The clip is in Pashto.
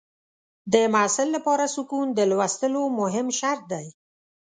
د محصل لپاره سکون د لوستلو مهم شرط دی.